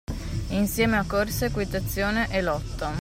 Insieme a corsa, equitazione e lotta.